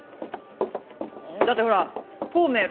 だってほら孔明六本木